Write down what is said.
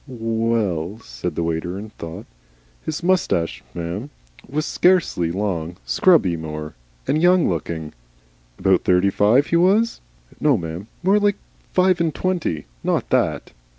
"Well," said the waiter, and thought. "His moustache, m'm, was scarcely long scrubby more, and young looking." "About thirty five, he was?" "No, m'm. More like five and twenty. Not that."